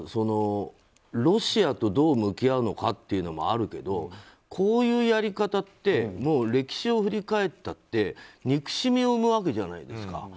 ロシアとどう向き合うのかというのもあるけどこういうやり方って歴史を振り返ったって憎しみを産むわけじゃないですか。